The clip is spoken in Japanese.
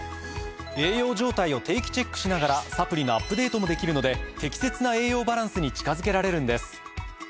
栄養状態を定期チェックしながらサプリのアップデートもできるので適切な栄養バランスに近づけられるんです。